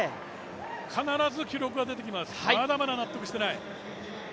必ず記録が出てきます、まだまだ納得してない。